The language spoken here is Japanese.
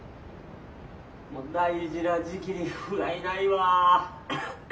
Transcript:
大事な時期にふがいないわ。